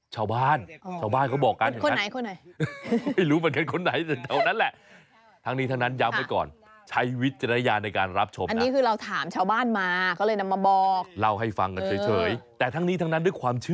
ชาวบ้านเขาบอกแบบนั้นเหรอ